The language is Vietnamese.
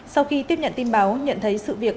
sau khi tiếp nhận tin báo nhận thấy sự việc